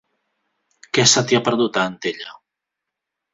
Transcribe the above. Què se t'hi ha perdut, a Antella?